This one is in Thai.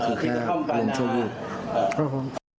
ก็คือแค่มุมช่วงลูก